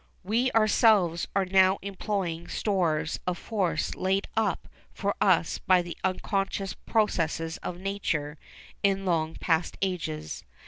We ourselves are now employing stores of force laid up for us by the unconscious processes of Nature in long past ages.